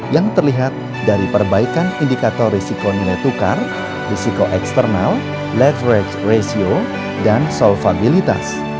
yang terlihat dari perbaikan indikator risiko nilai tukar risiko eksternal leverage ratio dan solvabilitas